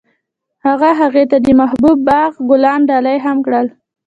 هغه هغې ته د محبوب باغ ګلان ډالۍ هم کړل.